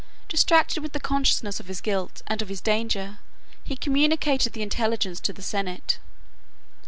Distracted with the consciousness of his guilt and of his danger, he communicated the intelligence to the senate.